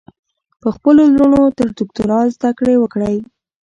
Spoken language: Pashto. په خپلو لوڼو تر دوکترا ذدکړي وکړئ